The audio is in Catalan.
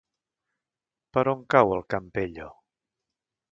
Per on cau el Campello?